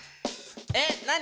えっ何？